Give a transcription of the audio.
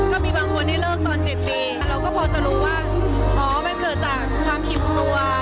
ก็มีบางคนที่เลิกตอน๗ปีเราก็พอจะรู้ว่าอ๋อมันเกิดจากความผิดตัว